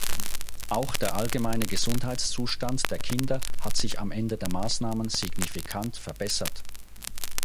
Auch der allgemeine Gesundheitszustand der Kinder hat sich am Ende der Maßnahmen signifikant verbessert.